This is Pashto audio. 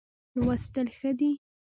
لوستل ښه دی.